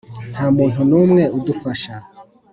nta muntu n'umwe udufasha.